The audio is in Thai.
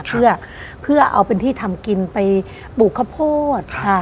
เพื่อเอาเป็นที่ทำกินไปปลูกข้าวโพดค่ะ